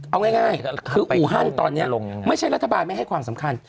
เอาง่ายคืออูฮันตอนนี้ไม่ใช่รัฐบาลไม่ให้ความสำคัญ